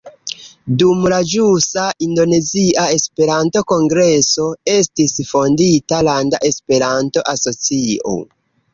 Dum la ĵusa Indonezia Esperanto-kongreso estis fondita landa Esperanto-asocio.